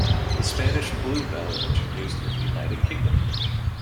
The Spanish bluebell was introduced in the United Kingdom.